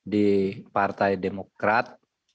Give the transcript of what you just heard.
di partai demokrat